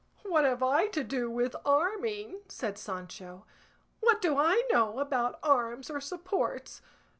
"What have I to do with arming?" said Sancho. "What do I know about arms or supports?